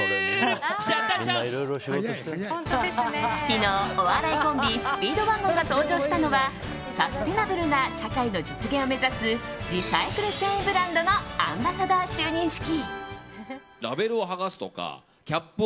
昨日、お笑いコンビスピードワゴンが登場したのはサステナブルな社会の実現を目指すリサイクル繊維ブランドのアンバサダー就任式。